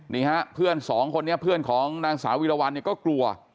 นี่ฮะเพื่อนสองคนนี้เพื่อนของนางสาววิรวรรณเนี่ยก็กลัว